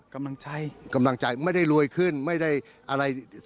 กำลังใจกำลังใจไม่ได้รวยขึ้นไม่ได้อะไร